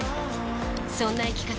そんな生き方